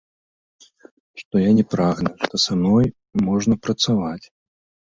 Што я не прагны, што са мной можна працаваць.